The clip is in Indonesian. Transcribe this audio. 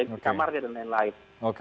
di kamarnya dan lain lain